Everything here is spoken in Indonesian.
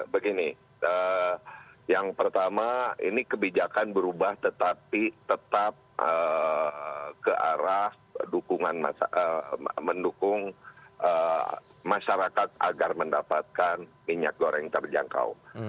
begini yang pertama ini kebijakan berubah tetapi tetap ke arah mendukung masyarakat agar mendapatkan minyak goreng terjangkau